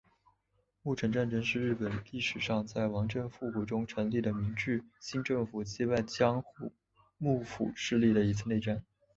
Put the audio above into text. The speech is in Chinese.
戊辰战争是日本历史上在王政复古中成立的明治新政府击败江户幕府势力的一次内战。